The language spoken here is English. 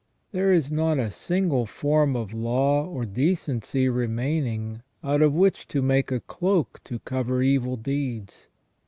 There is not a single form of law or decency remaining out of which to make a cloak to cover evil deeds.